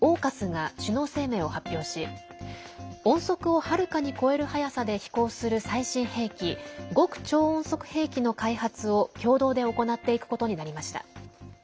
ＡＵＫＵＳが首脳声明を発表し音速をはるかに超える速さで飛行する最新兵器極超音速兵器の開発を共同で行っていくことになりました。